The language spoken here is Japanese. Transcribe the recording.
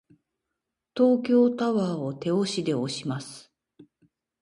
東京タワーを手押しで押します。